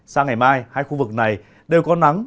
sang ngày mai hai khu vực này đều có nắng